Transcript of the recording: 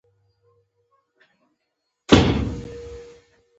دا له نورو سره د رعايت کولو درس دی.